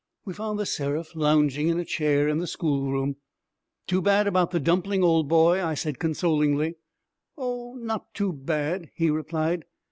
We found The Seraph lounging in a chair in the schoolroom. 'Too bad about the dumpling, old boy,' I said consolingly. 'Oh, not too bad,' he replied.